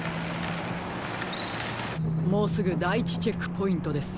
もうすぐだい１チェックポイントです。